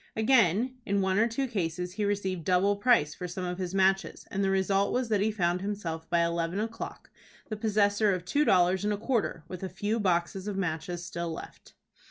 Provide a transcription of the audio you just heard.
Again, in one or two cases he received double price for some of his matches, and the result was that he found himself by eleven o'clock the possessor of two dollars and a quarter, with a few boxes of matches still left.